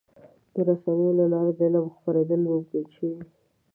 د رسنیو له لارې د علم خپرېدل ممکن شوي.